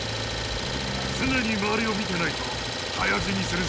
常に周りを見てないと、早死にするぞ。